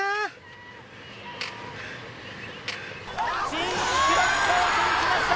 チーム記録更新しました！